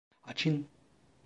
Açın!